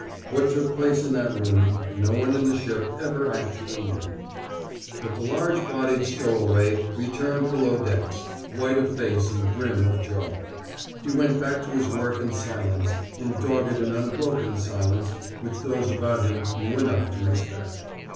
What took place in that room no one in the ship ever actually knew. But the large bodied stowaway returned below decks, white of face and grim of jaw. He went back to his work in silence, in dogged and unbroken silence which those about him knew enough to respect.